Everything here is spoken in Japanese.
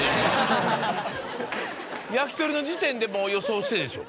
焼き鳥の時点でもう予想してでしょ？